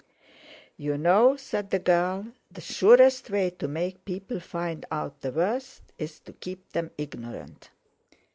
"You know," said the girl, "the surest way to make people find out the worst is to keep them ignorant.